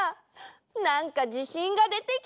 なんかじしんがでてきた！